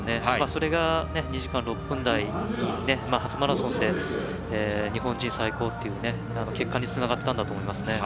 それが２時間６分台に初マラソンで日本人最高という結果につながったんだと思います。